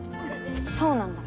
そうなんだ。